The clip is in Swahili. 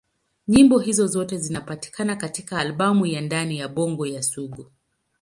Nyimbo hizo zote zinapatikana katika albamu ya Ndani ya Bongo ya Sugu.